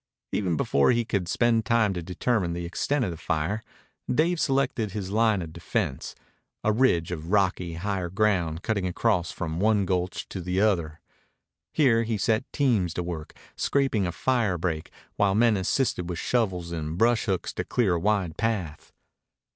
Even before he could spend time to determine the extent of the fire, Dave selected his line of defense, a ridge of rocky, higher ground cutting across from one gulch to the other. Here he set teams to work scraping a fire break, while men assisted with shovels and brush hooks to clear a wide path.